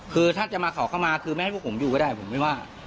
คือถ้าจะมาขอเข้ามาคือไม่ให้พวกผมอยู่ก็ได้ผมไม่ว่า